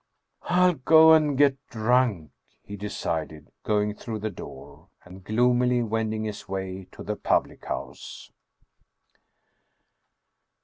" I'll go and get drunk," he decided, going through the door, and gloomily wending his way to the public house.